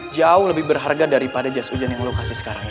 jauh lebih berharga daripada jas ujan yang lu kasih sekarang ini